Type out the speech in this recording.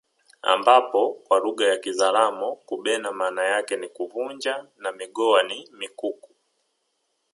Ambapo kwa lugha ya kizaramo kubena maana yake ni kuvunja na migoha ni mikuku